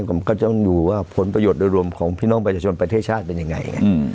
ผมก็ต้องดูว่าผลประโยชน์โดยรวมของพี่น้องประชาชนประเทศชาติเป็นยังไง